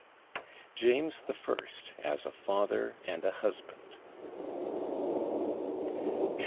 JAMES THE FIRST AS A FATHER AND A HUSBAND.